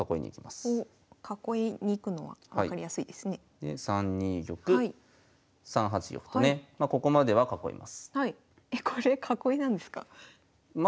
で３二玉３八玉とねここまでは囲います。